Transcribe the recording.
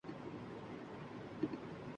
تعلق رکھنے والے